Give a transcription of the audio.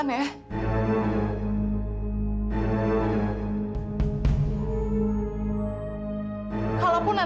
nanti jodinya akan kelewatan